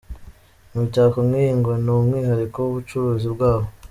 Imitako nk’iyi ngo ni umwihariko w’ubucuzi bwabo.